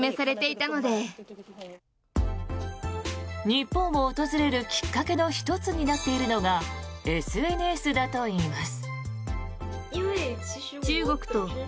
日本を訪れるきっかけの１つになっているのがＳＮＳだといいます。